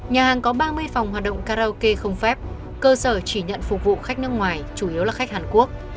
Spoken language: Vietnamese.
nhà hàng có ba mươi phòng hoạt động karaoke không phép cơ sở chỉ nhận phục vụ khách nước ngoài chủ yếu là khách hàn quốc